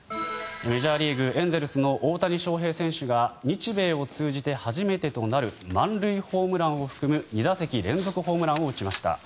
メジャーリーグ、エンゼルスの大谷翔平選手が日米を通じて初めてとなる満塁ホームランを含む２打席連続ホームランを打ちました。